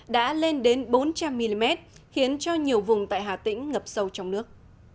đã lên đến bốn trăm linh mm khiến cho nhiều vùng tại hà tĩnh ngập sâu trong nước